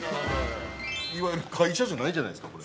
◆いわゆる会社じゃないじゃないですか。